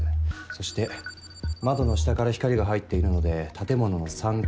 そして窓の下から光が入っているので建物の３階以上。